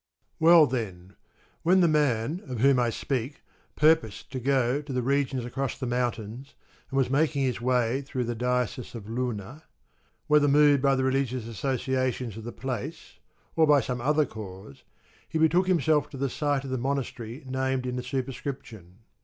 Well then, when the man of whom I speak purposed to go to the regions across the mountains, and was making his way through the diocese of Luna, whether moved by the religious associations of the place or by some other cause, he betook himself to the site of the Monastery named in the superscription.